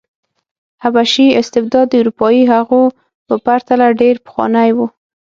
حبشي استبداد د اروپايي هغو په پرتله ډېر پخوانی و.